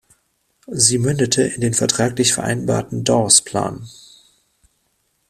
Sie mündete in den vertraglich vereinbarten Dawes-Plan.